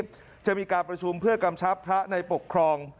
จากนี้จะมีการประชุมเพื่อกรรมชาติพระในปกครอง